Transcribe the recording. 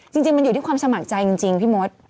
จริงมันอยู่ที่ความสมัครใจจริงพี่มด